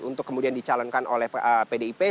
untuk kemudian dicalonkan oleh pdip